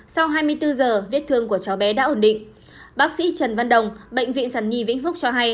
sau hai mươi bốn giờ viết thương của cháu bé đã ổn định